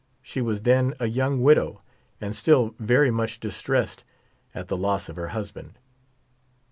She was then a young widow, and still very much distressed at the loss of her husband.